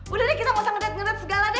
udah deh kita gak usah ngedet ngedet segala deh